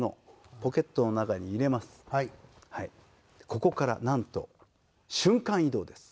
ここからなんと瞬間移動です。